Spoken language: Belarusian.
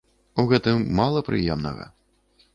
У гэтым мала прыемнага.